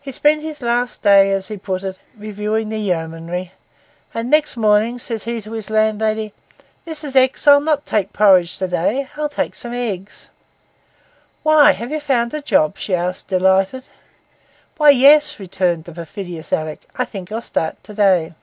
He spent his last day, as he put it, 'reviewing the yeomanry,' and the next morning says he to his landlady, 'Mrs. X., I'll not take porridge to day, please; I'll take some eggs.' 'Why, have you found a job?' she asked, delighted. 'Well, yes,' returned the perfidious Alick; 'I think I'll start to day.